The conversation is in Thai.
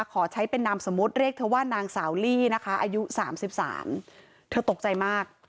ขอใช้เป็นนามสมมุติเรียกเธอว่านางสาวลี่นะคะอายุ๓๓เธอตกใจมาก